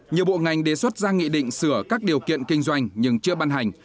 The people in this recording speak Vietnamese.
nhiều bộ ngành đề xuất ra nghị định sửa các điều kiện kinh doanh nhưng chưa ban hành